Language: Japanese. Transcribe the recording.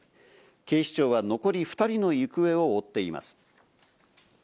警視庁は残り２人の行方を追っています。